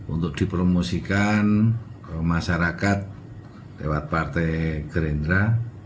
untuk dipromosikan ke masyarakat lewat partai gerindra